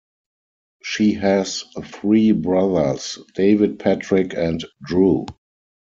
She has three brothers: David, Patrick and Drew.